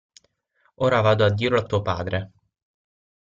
Ora vado a dirlo a tuo padre!